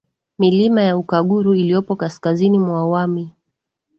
Milima ya Ukaguru iliyopo Kaskazini mwa Wami